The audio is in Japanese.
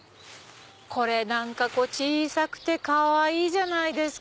これなんか小さくてかわいいじゃないですか。